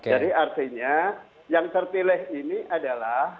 jadi artinya yang terpilih ini adalah